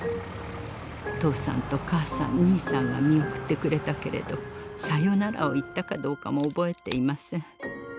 父さんと母さん兄さんが見送ってくれたけれどさよならを言ったかどうかも覚えていません。